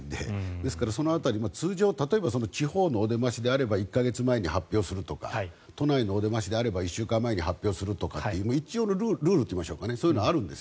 ですから、その辺り通常、地方のお出ましであれば１か月前に発表するとか都内のお出ましであれば１週間前に発表するとか一応のルールというかそういうのはあるんです。